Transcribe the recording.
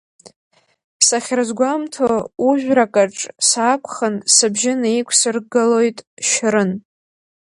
Сахьрызгәамҭо ужәракаҿ саақәхан, сыбжьы наиқәсыргалоит Шьрын.